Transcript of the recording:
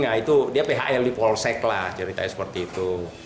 ya itu dia phl di polsek lah ceritanya seperti itu